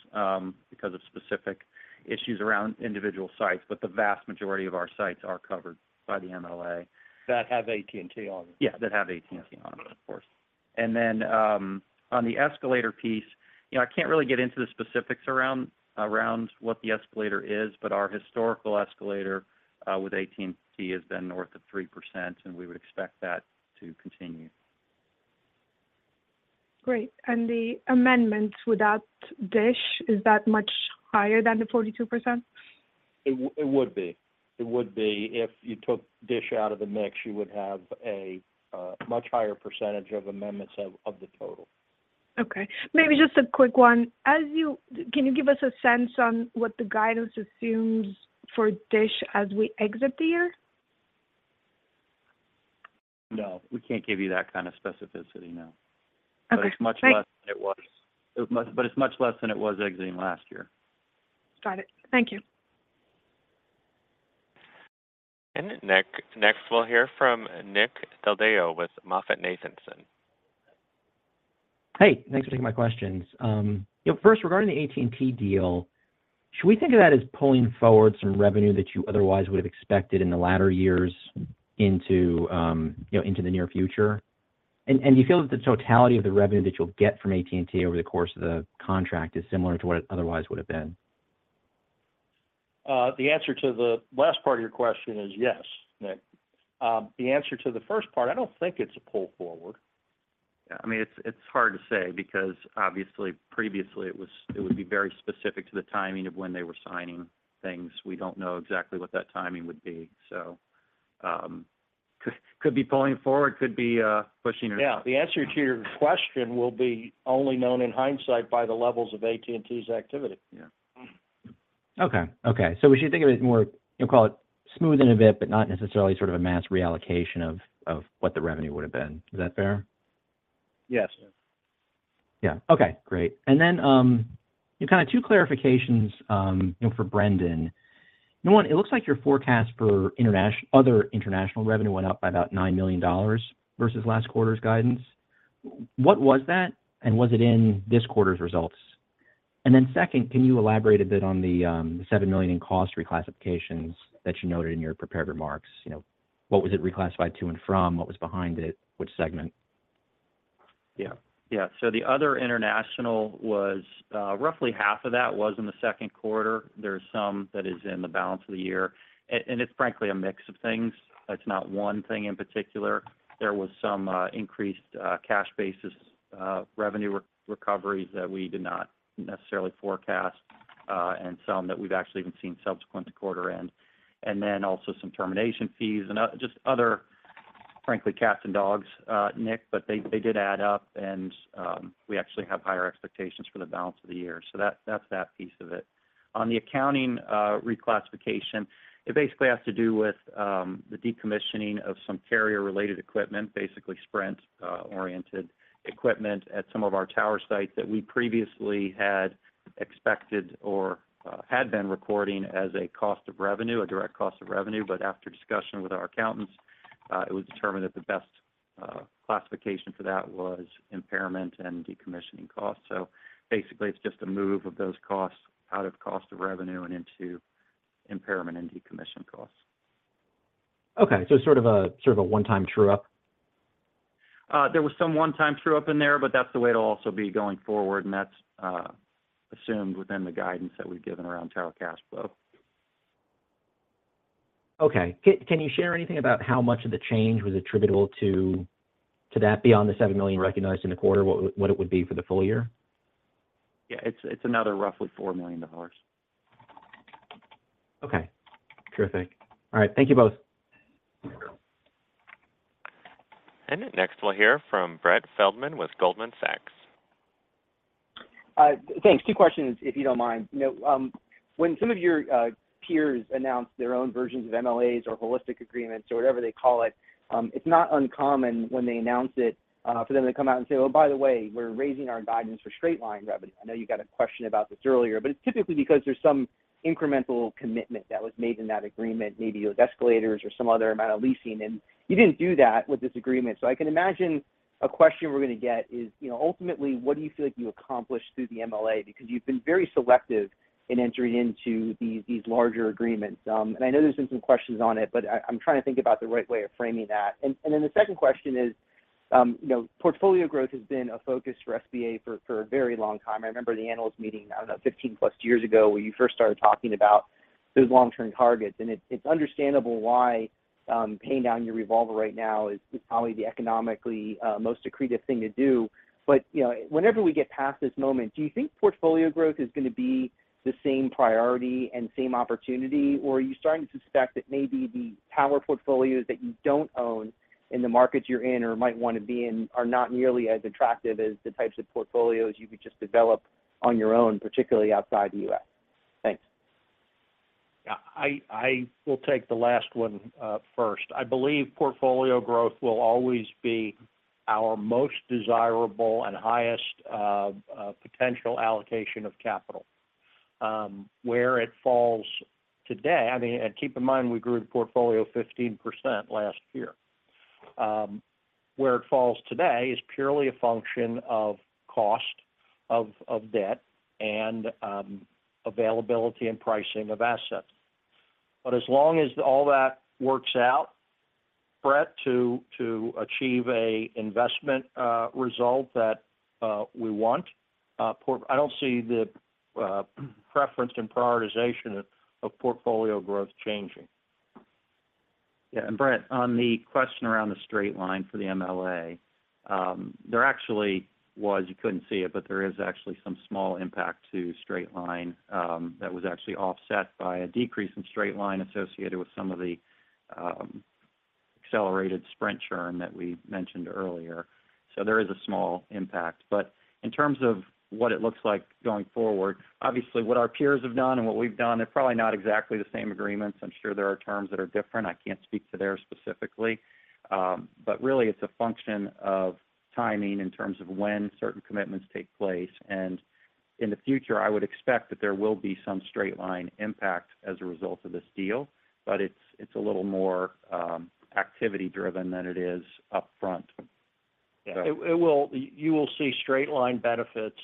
[SPEAKER 3] because of specific issues around individual sites, but the vast majority of our sites are covered by the MLA.
[SPEAKER 4] That have AT&T on them.
[SPEAKER 3] Yeah, that have AT&T on them, of course. Then, on the escalator piece, you know, I can't really get into the specifics around, around what the escalator is, but our historical escalator with AT&T has been north of 3%, and we would expect that to continue.
[SPEAKER 12] Great. The amendments without DISH, is that much higher than the 42%?
[SPEAKER 3] It would be. It would be. If you took DISH out of the mix, you would have a much higher percentage of amendments of, of the total.
[SPEAKER 12] Okay, maybe just a quick one. Can you give us a sense on what the guidance assumes for DISH as we exit the year?
[SPEAKER 3] No, we can't give you that kind of specificity, no.
[SPEAKER 12] Okay, thanks.
[SPEAKER 3] It's much less than it was. It's much less than it was exiting last year.
[SPEAKER 12] Got it. Thank you.
[SPEAKER 1] Next we'll hear from Nick Del Deo with MoffettNathanson.
[SPEAKER 13] Hey, thanks for taking my questions. You know, first, regarding the AT&T deal, should we think of that as pulling forward some revenue that you otherwise would have expected in the latter years into, you know, into the near future? Do you feel that the totality of the revenue that you'll get from AT&T over the course of the contract is similar to what it otherwise would have been?
[SPEAKER 4] The answer to the last part of your question is yes, Nick. The answer to the first part, I don't think it's a pull forward.
[SPEAKER 3] Yeah. I mean, it's, it's hard to say, because obviously, previously it would be very specific to the timing of when they were signing things. We don't know exactly what that timing would be. So, could, could be pulling forward, could be pushing it.
[SPEAKER 4] Yeah, the answer to your question will be only known in hindsight by the levels of AT&T's activity.
[SPEAKER 3] Yeah.
[SPEAKER 13] Okay, okay. We should think of it as more, you know, call it smoothing a bit, but not necessarily sort of a mass reallocation of, of what the revenue would have been. Is that fair?
[SPEAKER 4] Yes.
[SPEAKER 13] Yeah. Okay, great. Kind of two clarifications, you know, for Brendan. One, it looks like your forecast for other international revenue went up by about $9 million versus last quarter's guidance. What was that? Was it in this quarter's results? Second, can you elaborate a bit on the $7 million in cost reclassifications that you noted in your prepared remarks? You know, what was it reclassified to and from? What was behind it? Which segment?
[SPEAKER 3] Yeah. Yeah, the other international was roughly half of that was in the second quarter. There's some that is in the balance of the year, and it's frankly, a mix of things. It's not one thing in particular. There was some increased cash basis revenue recoveries that we did not necessarily forecast, and some that we've actually even seen subsequent to quarter end. Also some termination fees and just other, frankly, cats and dogs, Nick, but they, they did add up, and we actually have higher expectations for the balance of the year. That's, that's that piece of it. On the accounting reclassification, it basically has to do with the decommissioning of some carrier-related equipment, basically Sprint-oriented equipment at some of our tower sites that we previously had expected or had been recording as a cost of revenue, a direct cost of revenue. After discussion with our accountants, it was determined that the best classification for that was impairment and decommissioning costs. Basically, it's just a move of those costs out of cost of revenue and into impairment and decommission costs.
[SPEAKER 13] Okay, sort of a, sort of a one-time true-up?
[SPEAKER 3] There was some one-time true-up in there, but that's the way it'll also be going forward, and that's assumed within the guidance that we've given around tower cash flow.
[SPEAKER 13] Okay. Can you share anything about how much of the change was attributable to that beyond the $7 million recognized in the quarter, what it would be for the full year?
[SPEAKER 3] Yeah, it's, it's another roughly $4 million.
[SPEAKER 13] Okay, terrific. All right. Thank you both.
[SPEAKER 1] Next, we'll hear from Brett Feldman with Goldman Sachs.
[SPEAKER 14] Thanks. Two questions, if you don't mind. You know, when some of your peers announce their own versions of MLAs or holistic agreements or whatever they call it, it's not uncommon when they announce it, for them to come out and say, "Oh, by the way, we're raising our guidance for straight-line revenue." I know you got a question about this earlier, it's typically because there's some incremental commitment that was made in that agreement, maybe with escalators or some other amount of leasing, and you didn't do that with this agreement. I can imagine a question we're gonna get is, you know, ultimately, what do you feel like you accomplished through the MLA? Because you've been very selective in entering into these, these larger agreements. I know there's been some questions on it, but I, I'm trying to think about the right way of framing that. Then the second question is, you know, portfolio growth has been a focus for SBA for, for a very long time. I remember the Analyst Meeting, I don't know, 15+ years ago, where you first started talking about those long-term targets. It's, it's understandable why, paying down your revolver right now is, is probably the economically, most accretive thing to do. You know, whenever we get past this moment, do you think portfolio growth is gonna be the same priority and same opportunity, or are you starting to suspect that maybe the tower portfolios that you don't own in the markets you're in or might wanna be in, are not nearly as attractive as the types of portfolios you could just develop on your own, particularly outside the U.S.? Thanks.
[SPEAKER 4] Yeah. I will take the last one, first. I believe portfolio growth will always be our most desirable and highest potential allocation of capital. Where it falls today, I mean, and keep in mind, we grew the portfolio 15% last year. Where it falls today is purely a function of cost of debt and availability and pricing of assets. As long as all that works out, Brett, to achieve a investment result that we want, I don't see the preference and prioritization of portfolio growth changing.
[SPEAKER 3] Yeah, Brett, on the question around the straight line for the MLA, there actually was, you couldn't see it, but there is actually some small impact to straight line, that was actually offset by a decrease in straight line associated with some of the accelerated Sprint churn that we mentioned earlier. There is a small impact. In terms of what it looks like going forward, obviously, what our peers have done and what we've done, they're probably not exactly the same agreements. I'm sure there are terms that are different. I can't speak to theirs specifically. Really, it's a function of timing in terms of when certain commitments take place. In the future, I would expect that there will be some straight-line impact as a result of this deal, it's, it's a little more activity-driven than it is upfront.
[SPEAKER 4] Yeah. You will see straight-line benefits,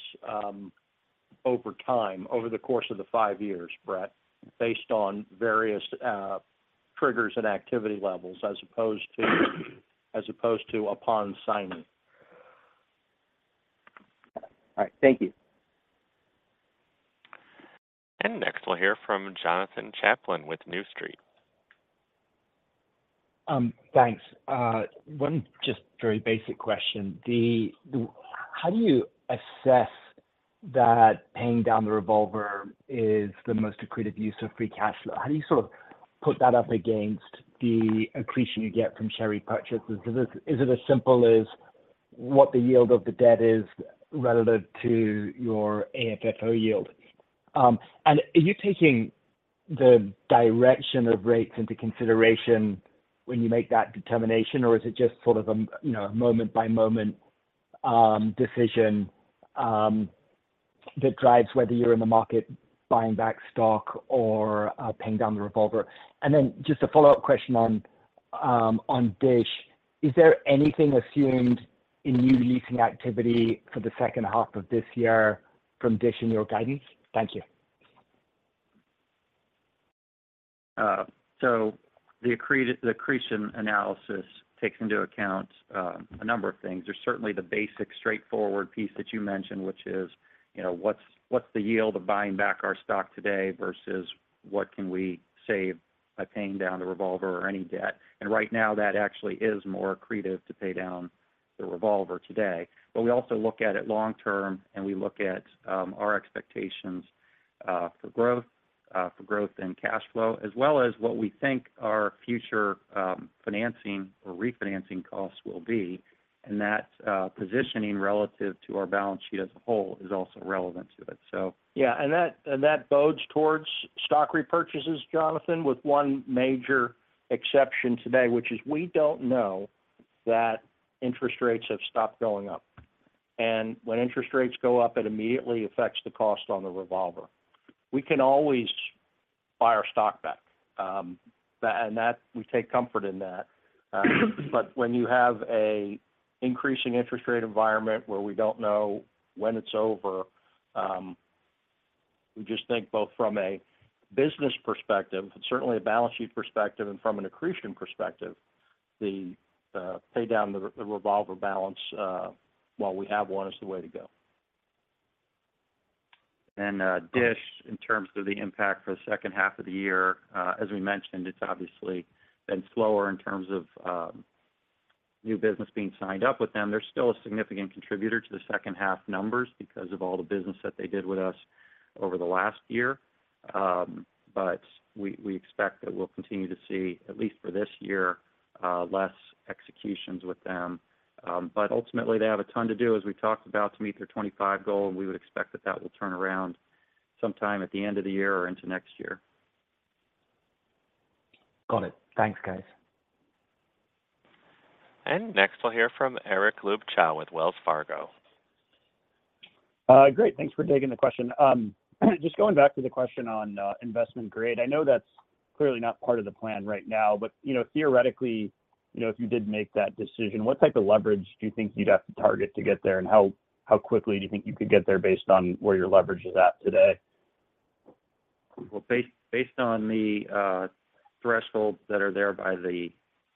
[SPEAKER 4] over time, over the course of the five years, Brett, based on various triggers and activity levels, as opposed to upon signing.
[SPEAKER 14] All right. Thank you.
[SPEAKER 1] Next, we'll hear from Jonathan Chaplin with New Street.
[SPEAKER 15] Thanks. One, just very basic question. How do you assess that paying down the revolver is the most accretive use of free cash flow? How do you sort of put that up against the accretion you get from share repurchases? Is it as simple as what the yield of the debt is relative to your AFFO yield? Are you taking the direction of rates into consideration when you make that determination, or is it just sort of a, you know, moment-by-moment decision that drives whether you're in the market buying back stock or paying down the revolver? Just a follow-up question on DISH. Is there anything assumed in new leasing activity for the second half of this year from DISH in your guidance? Thank you.
[SPEAKER 3] The accretion analysis takes into account a number of things. There's certainly the basic straightforward piece that you mentioned, which is, you know, what's, what's the yield of buying back our stock today versus what can we save by paying down the revolver or any debt? Right now, that actually is more accretive to pay down the revolver today. We also look at it long term, and we look at our expectations for growth for growth and cash flow, as well as what we think our future financing or refinancing costs will be. That positioning relative to our balance sheet as a whole is also relevant to it, so.
[SPEAKER 4] Yeah, that, and that bodes towards stock repurchases, Jonathan, with one major exception today, which is we don't know that interest rates have stopped going up. When interest rates go up, it immediately affects the cost on the revolver. We can always buy our stock back. We take comfort in that. When you have a increasing interest rate environment where we don't know when it's over, we just think both from a business perspective and certainly a balance sheet perspective and from an accretion perspective, the pay down the revolver balance, while we have one, is the way to go.
[SPEAKER 3] DISH, in terms of the impact for the second half of the year, as we mentioned, it's obviously been slower in terms of new business being signed up with them. They're still a significant contributor to the second half numbers because of all the business that they did with us over the last year. We expect that we'll continue to see, at least for this year, less executions with them. Ultimately, they have a ton to do, as we talked about, to meet their 2025 goal, and we would expect that that will turn around sometime at the end of the year or into next year.
[SPEAKER 15] Got it. Thanks, guys.
[SPEAKER 1] Next, we'll hear from Eric Luebchow with Wells Fargo.
[SPEAKER 16] Great. Thanks for taking the question. Just going back to the question on investment grade, I know that's clearly not part of the plan right now, but, you know, theoretically, you know, if you did make that decision, what type of leverage do you think you'd have to target to get there? How, how quickly do you think you could get there based on where your leverage is at today?
[SPEAKER 3] Well, based, based on the thresholds that are there by the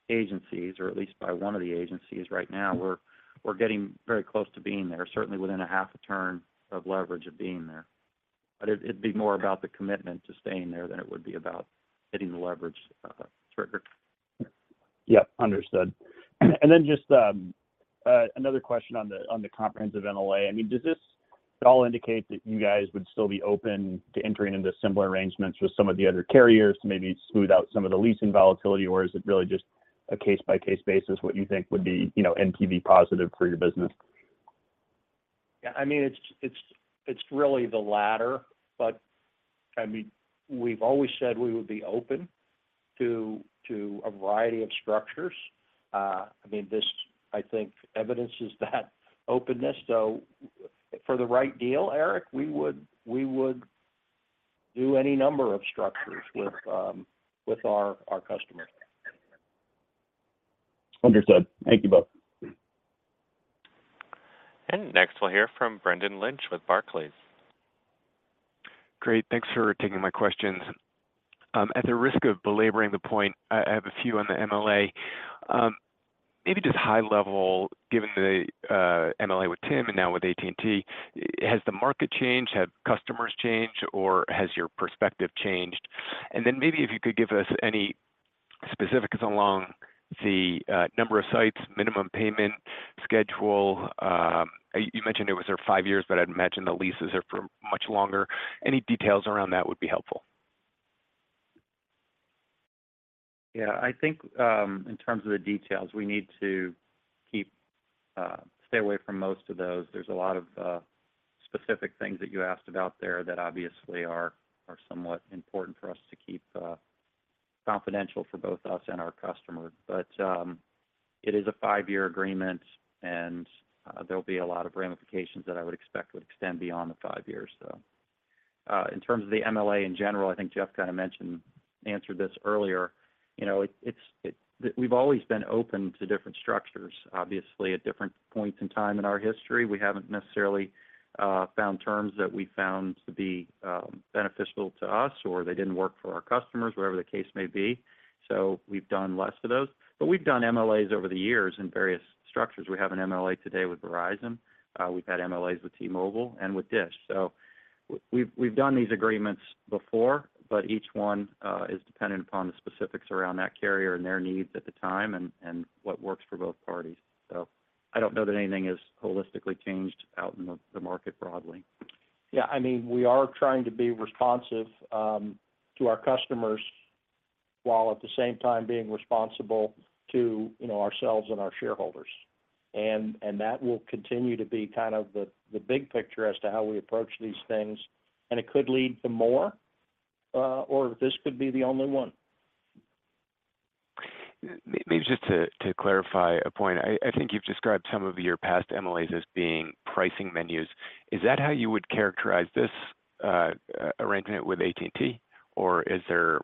[SPEAKER 3] agencies, or at least by one of the agencies right now, we're getting very close to being there, certainly within a half a turn of leverage of being there. It, it'd be more about the commitment to staying there than it would be about hitting the leverage trigger.
[SPEAKER 16] Yeah, understood. Then just, another question on the comprehensive MLA. I mean, does this at all indicate that you guys would still be open to entering into similar arrangements with some of the other carriers to maybe smooth out some of the leasing volatility? Or is it really just a case-by-case basis, what you think would be, you know, NPV positive for your business?
[SPEAKER 4] Yeah, I mean, it's, it's, it's really the latter, but, I mean, we've always said we would be open to, to a variety of structures. I mean, this, I think, evidences that openness. For the right deal, Eric, we would, we would do any number of structures with our, our customers.
[SPEAKER 16] Understood. Thank you both.
[SPEAKER 1] Next, we'll hear from Brendan Lynch with Barclays.
[SPEAKER 17] Great, thanks for taking my questions. At the risk of belaboring the point, I, I have a few on the MLA. Maybe just high level, given the MLA with TIM and now with AT&T, has the market changed, have customers changed, or has your perspective changed? Maybe if you could give us any specifics along the number of sites, minimum payment schedule. You mentioned it was there five years, but I'd imagine the leases are for much longer. Any details around that would be helpful.
[SPEAKER 3] Yeah, I think, in terms of the details, we need to keep, stay away from most of those. There's a lot of specific things that you asked about there that obviously are, are somewhat important for us to keep, confidential for both us and our customer. It is a five-year agreement. There'll be a lot of ramifications that I would expect would extend beyond the five years. In terms of the MLA in general, I think Jeff kind of mentioned, answered this earlier. You know, we've always been open to different structures. Obviously, at different points in time in our history, we haven't necessarily found terms that we found to be beneficial to us, or they didn't work for our customers, wherever the case may be. We've done less of those. We've done MLAs over the years in various structures. We have an MLA today with Verizon. We've had MLAs with T-Mobile and with DISH. We've, we've done these agreements before, but each one is dependent upon the specifics around that carrier and their needs at the time and, and what works for both parties. I don't know that anything has holistically changed out in the, the market broadly.
[SPEAKER 4] Yeah, I mean, we are trying to be responsive to our customers, while at the same time being responsible to, you know, ourselves and our shareholders. That will continue to be kind of the, the big picture as to how we approach these things, and it could lead to more or this could be the only one.
[SPEAKER 17] Maybe just to, to clarify a point, I, I think you've described some of your past MLAs as being pricing menus. Is that how you would characterize this arrangement with AT&T, or is there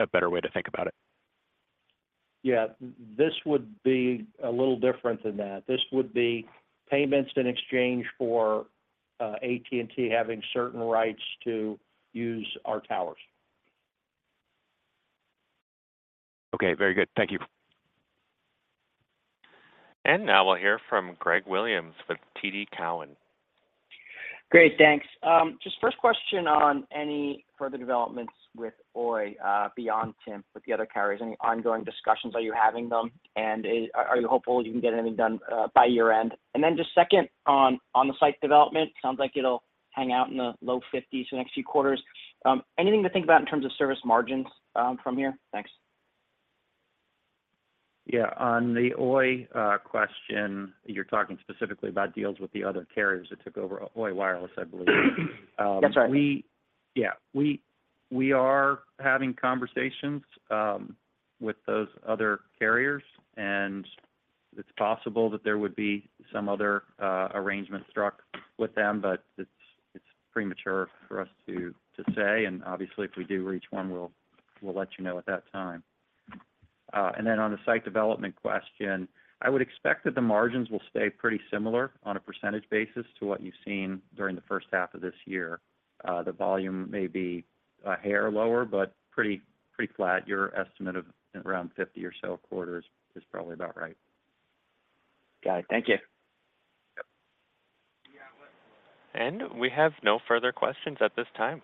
[SPEAKER 17] a better way to think about it?
[SPEAKER 4] Yeah, this would be a little different than that. This would be payments in exchange for AT&T having certain rights to use our towers.
[SPEAKER 17] Okay, very good. Thank you.
[SPEAKER 1] Now we'll hear from Greg Williams with TD Cowen.
[SPEAKER 18] Great, thanks. Just first question on any further developments with Oi, beyond TIM, with the other carriers, any ongoing discussions, are you having them? Are you hopeful you can get anything done by year-end? Just second on, on the site development, sounds like it'll hang out in the low 50s the next few quarters. Anything to think about in terms of service margins from here? Thanks.
[SPEAKER 3] Yeah. On the Oi question, you're talking specifically about deals with the other carriers that took over Oi mobile, I believe.
[SPEAKER 18] That's right.
[SPEAKER 3] Yeah, we, we are having conversations with those other carriers, it's possible that there would be some other arrangement struck with them, it's, it's premature for us to, to say, obviously, if we do reach one, we'll, we'll let you know at that time. Then on the site development question, I would expect that the margins will stay pretty similar on a percentage basis to what you've seen during the first half of this year. The volume may be a hair lower, pretty, pretty flat. Your estimate of around 50 or so quarters is probably about right.
[SPEAKER 18] Got it. Thank you.
[SPEAKER 3] Yep.
[SPEAKER 1] We have no further questions at this time.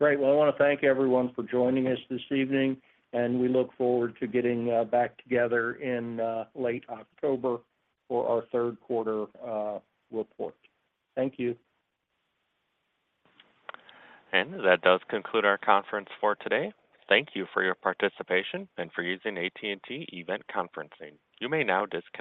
[SPEAKER 4] Great. Well, I wanna thank everyone for joining us this evening. We look forward to getting back together in late October for our third quarter report. Thank you.
[SPEAKER 1] That does conclude our conference for today. Thank you for your participation and for using AT&T Event Conferencing. You may now disconnect.